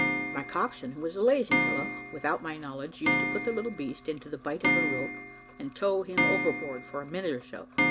My coxswain, who was a lazy fellow, without my knowledge, used to put the little beast into the bight of a rope, and tow him overboard for a minute or so.